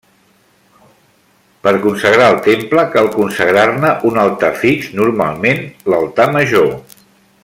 Per consagrar el temple cal consagrar-ne un altar fix, normalment l'altar major.